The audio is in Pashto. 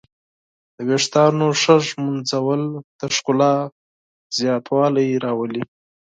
د ویښتانو ښه ږمنځول د ښکلا زیاتوالی راولي.